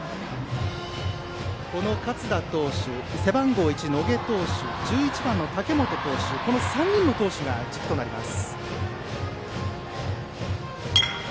この勝田投手や背番号１の野下投手と１１番の武元投手の３人の投手が軸となります。